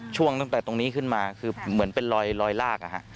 ช่วงตั้งแต่ตรงนี้ขึ้นมาคือเหมือนเป็นรอยลาก